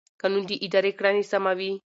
قانون د ادارې کړنې سموي.